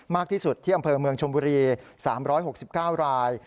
มากที่สุดที่อำเภอเมืองชมบุรี๓๖๙ราย